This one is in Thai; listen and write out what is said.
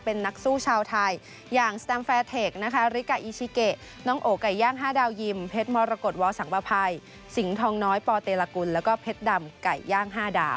เป็นนักสู้ชาวไทยอย่าง